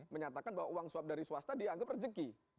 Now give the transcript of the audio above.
menyatakan bahwa uang suap dari swasta dianggap rezeki